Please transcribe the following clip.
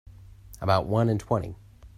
About one in twenty.